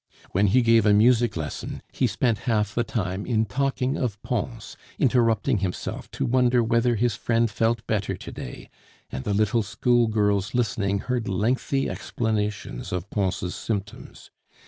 When he gave a music lesson, he spent half the time in talking of Pons, interrupting himself to wonder whether his friend felt better to day, and the little school girls listening heard lengthy explanations of Pons' symptoms.